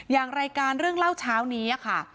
อย่างรายการเรื่องเล่าเช้านี้ค่ะ